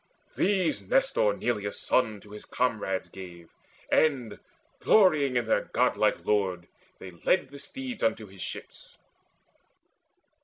These Nestor Neleus' son to his comrades gave, And, glorying in their godlike lord, they led The steeds unto his ships.